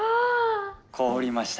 凍りました。